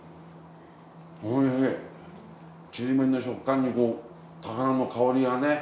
ちりめんの食感にこう高菜の香りがね。